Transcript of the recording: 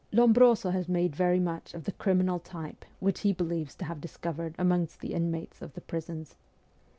Lonibroso has made very much of the ' criminal type ' which he believes to have discovered amongst the inmates of the prisons.